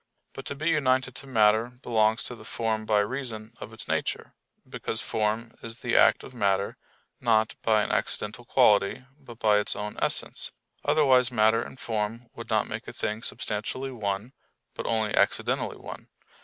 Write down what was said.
But to be united to matter belongs to the form by reason of its nature; because form is the act of matter, not by an accidental quality, but by its own essence; otherwise matter and form would not make a thing substantially one, but only accidentally one.